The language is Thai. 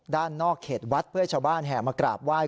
ด้านนอกเขตวัดเพื่อให้ชาวบ้านแห่มากราบไหว้